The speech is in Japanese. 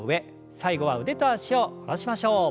最後は腕と脚を戻しましょう。